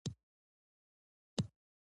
څه به وشي که موږ مونافالکانو فتح کړو؟